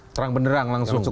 terang benderang langsung